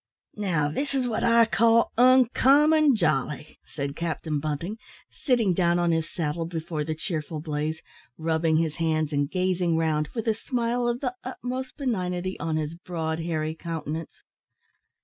"Now, this is what I call uncommon jolly," said Captain Bunting, sitting down on his saddle before the cheerful blaze, rubbing his hands, and gazing round, with a smile of the utmost benignity on his broad, hairy countenance.